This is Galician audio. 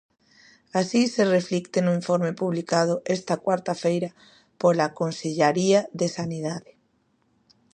Así se reflicte no informe publicado esta cuarta feira pola Consellaría de Sanidade.